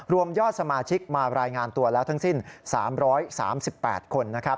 รวมยอดสมาชิกมารายงานตัวแล้วทั้งสิ้น๓๓๘คน